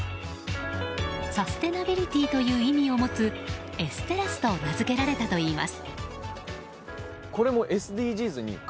サステナビリティーという意味を持つＳ‐ＴＥＲＲＡＳＳＥと名付けられたといいます。